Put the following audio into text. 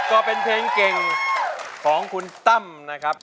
ก็เป็นเพลงเก่งของคุณตั้มนะครับ